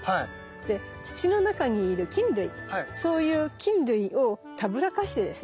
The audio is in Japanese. で土の中にいる菌類そういう菌類をたぶらかしてですね。